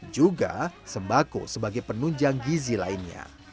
juga sembako sebagai penunjang gizi lainnya